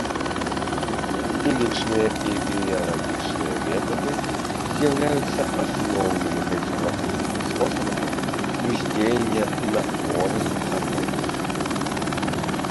Хімічныя і біялагічныя метады з'яўляюцца асноўнымі кансерватыўнымі спосабамі ўздзеяння на хворы арганізм.